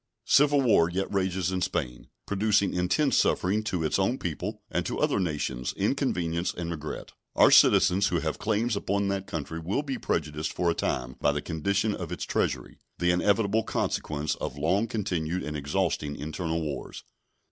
Civil war yet rages in Spain, producing intense suffering to its own people, and to other nations inconvenience and regret. Our citizens who have claims upon that country will be prejudiced for a time by the condition of its treasury, the inevitable consequence of long continued and exhausting internal wars.